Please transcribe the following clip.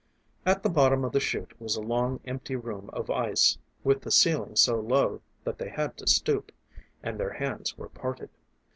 At the bottom of the chute was a long empty room of ice, with the ceiling so low that they had to stoop and their hands were parted.